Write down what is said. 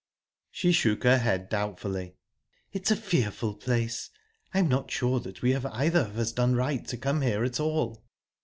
She shook her head doubtfully. "It's a fearful place. I'm not sure that we have either of us done right to come here at all."